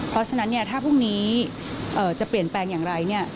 เพราะฉะนั้นถ้าพรุ่งนี้จะเปลี่ยนแปลงอย่างไร